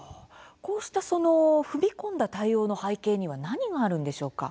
こうした、その踏み込んだ対応の背景には何があるんでしょうか？